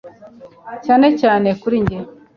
cyane cyane kuri njye